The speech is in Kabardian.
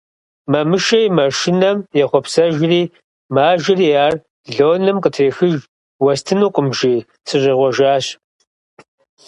Мамышэ а маршынэм йохъуэпсэжри мажэри ар Лонэм къытрехыж: «Уэстынукъым, – жи, – сыщӀегъуэжащ».